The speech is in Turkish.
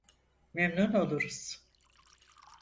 Memnun oluruz.